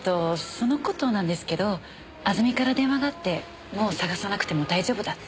その事なんですけどあずみから電話があってもう探さなくても大丈夫だって。